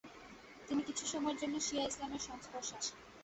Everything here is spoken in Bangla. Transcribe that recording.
তিনি কিছু সময়ের জন্য শিয়া ইসলামের সংস্পর্শে আসেন।